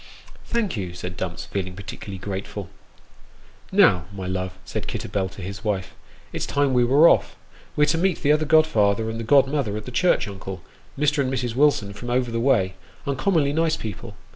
" Thank you," said Dumps, feeling particularly grateful. " Now, my love," said Kitterbell to his wife, " it's time we were off. We're to meet the other godfather and the godmother at the church, uncle, Mr. and Mrs. Wilson from over the way uncommonly nice people.